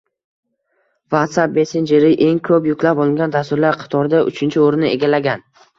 WhatsApp messenjeri eng ko‘p yuklab olingan dasturlar qatorida uchinchi o‘rinni egallagan